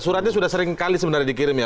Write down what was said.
suratnya sudah seringkali sebenarnya dikirim ya